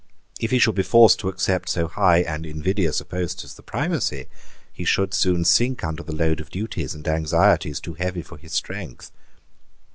If he should be forced to accept so high and so invidious a post as the primacy, he should soon sink under the load of duties and anxieties too heavy for his strength.